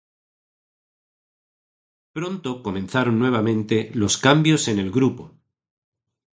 Pronto comenzaron nuevamente los cambios en el grupo.